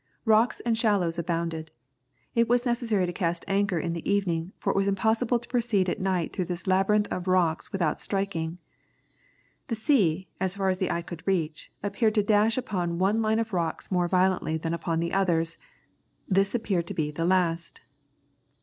Rocks and shallows abounded. It was necessary to cast anchor in the evening, for it was impossible to proceed at night through this labyrinth of rocks without striking. The sea, as far as the eye could reach, appeared to dash upon one line of rocks more violently than upon the others; this appeared to be the last.